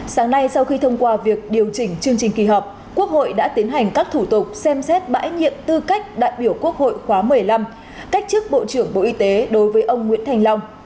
sáng nay sau khi thông qua việc điều chỉnh chương trình kỳ họp quốc hội đã tiến hành các thủ tục xem xét bãi nhiệm tư cách đại biểu quốc hội khóa một mươi năm cách chức bộ trưởng bộ y tế đối với ông nguyễn thành long